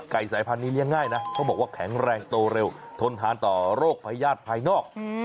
สายพันธุนี้เลี้ยงง่ายนะเขาบอกว่าแข็งแรงโตเร็วทนทานต่อโรคพญาติภายนอก